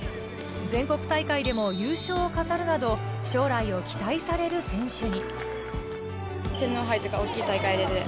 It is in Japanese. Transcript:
全国大会でも優勝を飾るなど将来を期待される選手に。